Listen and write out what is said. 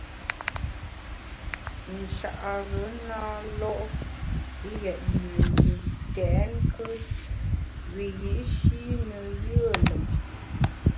Nchare na lo’ yètne yi ntèt nkùt wiyi’shi ne yùe lùm.